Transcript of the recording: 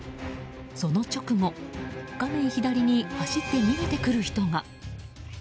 その直後、画面左に走って逃げてくる人が。